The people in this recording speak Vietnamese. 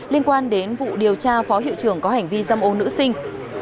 liên quan đến vụ điều tra phó hiệu trưởng có hành vi dâm ô nữ sinh